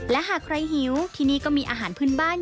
และหากใครหิวที่นี่ก็มีอาหารพื้นบ้าน